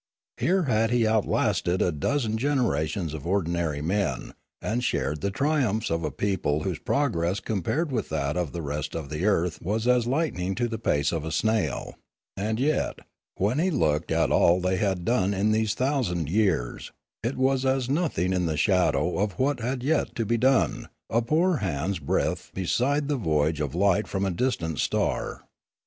Here had he outlasted a dozen generations of ordinary men, and shared the triumphs of a people whose progress compared with that of the rest of the earth was as lightning to the pace of a snail; and yet, when he looked at all that they had done in these thousand years, it was as nothing in the shadow of what had yet to be done, a poor hand's breadth beside the voyage of light from a distant star.